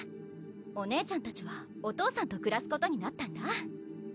お姉ちゃんたちはお父さんとくらすことになったんだ